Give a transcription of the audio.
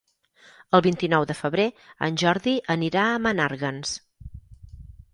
El vint-i-nou de febrer en Jordi anirà a Menàrguens.